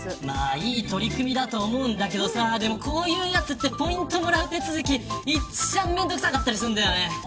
いい取り組みだと思うけどこういうやつってポイントをもらう手続きが一番めんどくさかったりするんだよね。